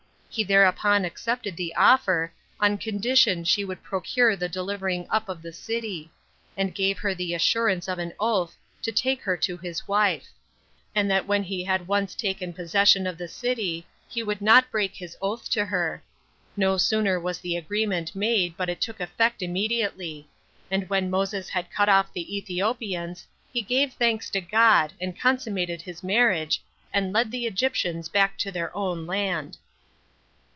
He thereupon accepted the offer, on condition she would procure the delivering up of the city; and gave her the assurance of an oath to take her to his wife; and that when he had once taken possession of the city, he would not break his oath to her. No sooner was the agreement made, but it took effect immediately; and when Moses had cut off the Ethiopians, he gave thanks to God, and consummated his marriage, and led the Egyptians back to their own land.